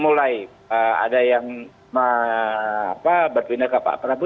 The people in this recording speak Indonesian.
mulai ada yang berpindah ke pak prabowo